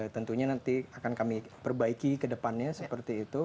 tentunya nanti akan kami perbaiki ke depannya seperti itu